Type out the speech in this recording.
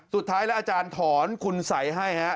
สุดท้ายแล้วอาจารย์ถอนคุณสัยให้ฮะ